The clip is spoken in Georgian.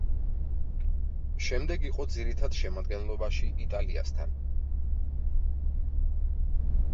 შემდეგ იყო ძირითად შემადგენლობაში იტალიასთან.